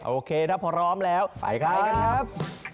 โอเคถ้าพร้อมแล้วไปใครกันครับ